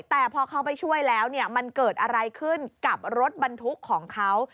แต่พอเขาไปช่วยแล้วเนี่ยมันเกิดอะไรขึ้นกับรถบรรทุกของเขา